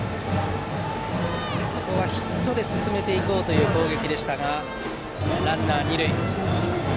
ここはヒットで進めていこうという攻撃でしたがランナーは二塁のまま。